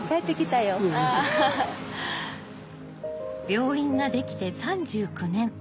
病院ができて３９年。